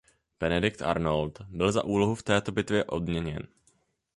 Benedikt Arnold byl za úlohu v této bitvě odměněn.